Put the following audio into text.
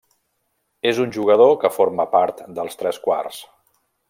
És un jugador que forma part dels tres quarts.